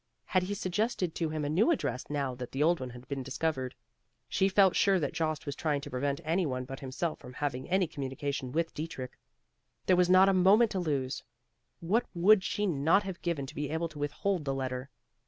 Had he suggested to him a new address now that the old one had been discovered? She felt sure that Jost was trying to prevent anyone but himself from having any communication with Dietrich. There was not a moment to lose. What would she not have given to be able to withhold the letter!